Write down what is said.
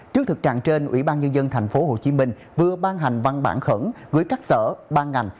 trước thực trạng trên ubnd tp hcm vừa ban hành văn bản khẩn gửi các sở ban ngành